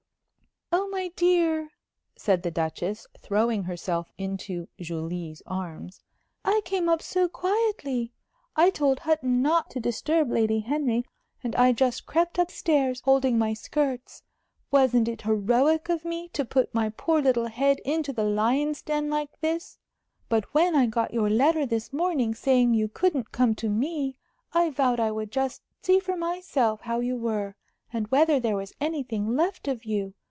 "Oh, my dear!" said the Duchess, throwing herself into Julie's arms. "I came up so quietly! I told Hutton not to disturb Lady Henry, and I just crept up stairs, holding my skirts. Wasn't it heroic of me to put my poor little head into the lion's den like this? But when I got your letter this morning saying you couldn't come to me, I vowed I would just see for myself how you were, and whether there was anything left of you.